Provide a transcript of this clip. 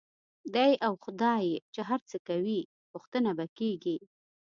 دی او خدای یې چې هر څه کوي، پوښتنه به کېږي.